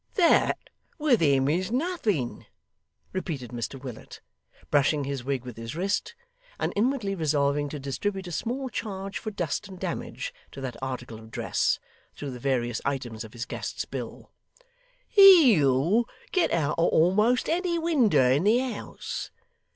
'That with him is nothing,' repeated Mr Willet, brushing his wig with his wrist, and inwardly resolving to distribute a small charge for dust and damage to that article of dress, through the various items of his guest's bill; 'he'll get out of a'most any winder in the house.